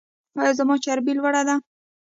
ایا زما چربي لوړه ده؟